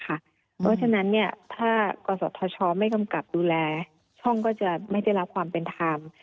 เพราะฉะนั้นถ้ากศธชไม่กำกับดูแลช่องก็จะไม่ได้รับความเป็นธรรม